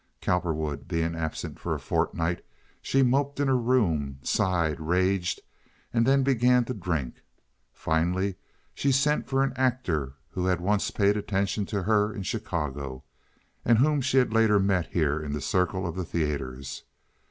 Cowperwood being absent for a fortnight, she moped in her room, sighed, raged, and then began to drink. Finally she sent for an actor who had once paid attention to her in Chicago, and whom she had later met here in the circle of the theaters.